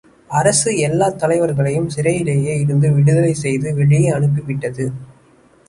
அரசு எல்லாத் தலைவர்களையும் சிறையிலே இருந்து விடுதலை செய்து வெளியே அனுப்பிவிட்டது.